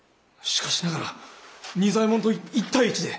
しかしながら仁左衛門と一対一で。